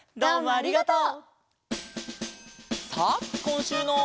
ありがとう！